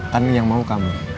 kan yang mau kamu